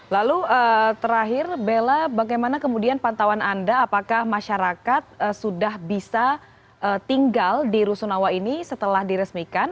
lalu terakhir bella bagaimana kemudian pantauan anda apakah masyarakat sudah bisa tinggal di rusunawa ini setelah diresmikan